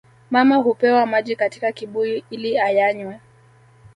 Mama hupewa maji katika kibuyu ili ayanywe